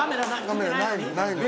カメラないのに。